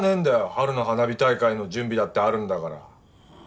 春の花火大会の準備だってあるんだから。